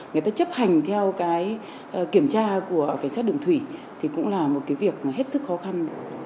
người ta chấp hành theo kiểm tra của phán xét đường thủy thì cũng là một việc hết sức khó khăn